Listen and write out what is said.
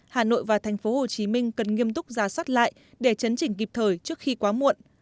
hà nội và tp hcm cần nghiêm túc giá soát lại để chấn chỉnh kịp thời trước khi quá muộn